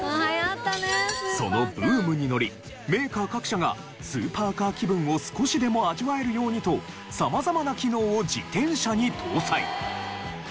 そのブームにのりメーカー各社がスーパーカー気分を少しでも味わえるようにと様々な機能を自転車に搭載。